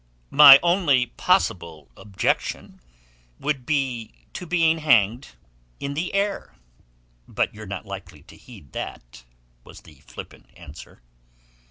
"My only possible objection would be to being hanged in the air. But you're not likely to heed that," was the flippant answer.